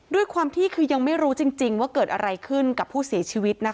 ด้วยความที่คือยังไม่รู้จริงว่าเกิดอะไรขึ้นกับผู้เสียชีวิตนะคะ